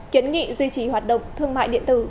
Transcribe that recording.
kiến nghị duy trì hoạt động thương mại điện tử